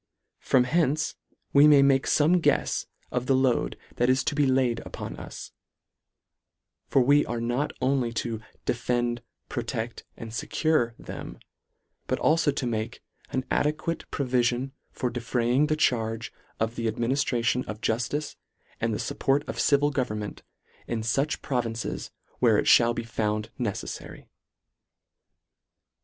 From hence we 84 LETTER VIII. may make fome guefs of the load that is to be laid upon us ; for we are not only to " de " fend, protecl, and fecure " them, but alfo to make " an adequate provifion for defray " ing the charge of the administration of " juftice and the fupport of civil govern ment, in fuch provinces where it mall be " found neceffary."